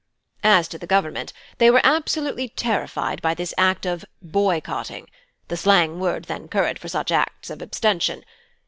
"As to the Government, they were absolutely terrified by this act of 'boycotting' (the slang word then current for such acts of abstention).